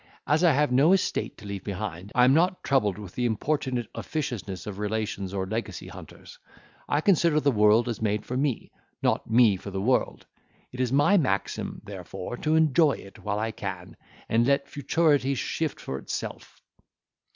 As I have no estate to leave behind, I am not troubled with the importunate officiousness of relations or legacy hunters, and I consider the world as made for me, not me for the world. It is my maxim, therefore, to enjoy it while I can, and let futurity shift for itself."